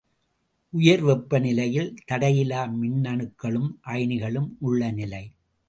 உயர் வெப்ப நிலையில் தடையிலா மின்னணுக்களும் அயனிகளும் உள்ள நிலை.